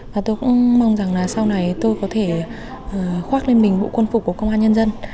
và tôi cũng mong rằng là sau này tôi có thể khoác lên mình bộ quân phục của công an nhân dân